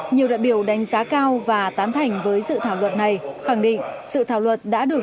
nhiều đại biểu đánh giá cao và tán thành với dự thảo luật này khẳng định sự thảo luật đã được